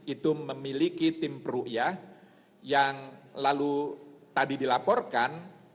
itu memiliki tim perru'yat yang lalu tadi dilaporkan